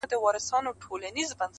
.!آسمانه چېغو ته مي زور ورکړه.!